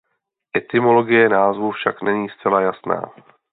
Etymologie názvu však není zcela jasná.